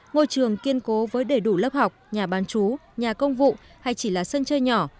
ngôi trường kiên cố với đầy đủ lớp học nhà bán chú nhà công vụ hay chỉ là sân chơi nhỏ